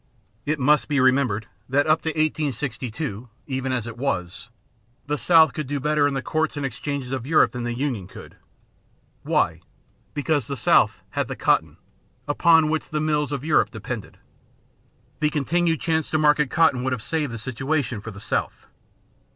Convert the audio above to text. It must be remembered that up to 1862, even as it was, the South could do better in the courts and exchanges of Europe than the Union could. Why? Because the South had the cotton, upon which the mills of Europe depended. The continued chance to market cotton would have saved the situation for the South.